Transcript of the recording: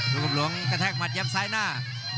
ลูกกำหลวงกระแทกหมัดยับซ้ายหน้า